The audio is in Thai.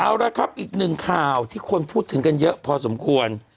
เอาละครับอีกหนึ่งข่าวที่คนพูดถึงกันเยอะพอสมควร